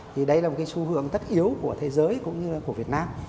thì đây là một xu hưởng tất yếu của thế giới cũng như của việt nam